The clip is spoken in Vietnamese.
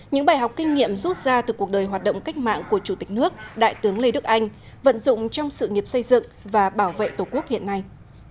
những bài học kinh nghiệm rút ra từ cuộc đời hoạt động cách mạng của chủ tịch nước đại tướng lê đức anh vận dụng trong sự nghiệp xây dựng và bảo vệ tổ quốc hiện nay